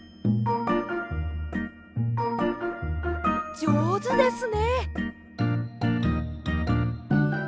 じょうずですね。